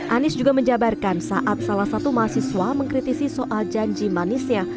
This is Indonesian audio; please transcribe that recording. anies juga menjabarkan saat salah satu mahasiswa mengkritisi soal janji manisnya